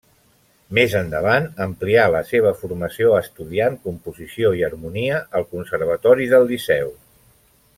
Més endavant amplià la seva formació estudiant Composició i Harmonia al Conservatori del Liceu.